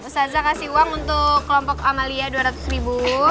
saza kasih uang untuk kelompok amalia dua ratus ribu